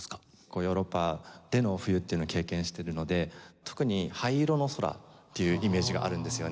ヨーロッパでの冬っていうのを経験してるので特に「灰色の空」っていうイメージがあるんですよね。